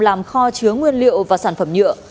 làm kho chứa nguyên liệu và sản phẩm nhựa